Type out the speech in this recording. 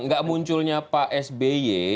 nggak munculnya pak sby